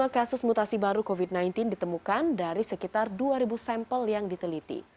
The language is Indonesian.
dua puluh kasus mutasi baru covid sembilan belas ditemukan dari sekitar dua sampel yang diteliti